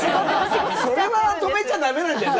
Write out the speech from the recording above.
それは止めちゃだめなんじゃない？